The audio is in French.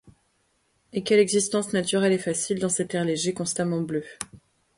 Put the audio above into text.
Et quelle existence naturelle et facile, dans cet air léger, constamment bleu!